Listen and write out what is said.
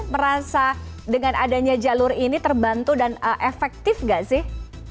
merasa dengan adanya jalur ini terbantu dan efektif gak sih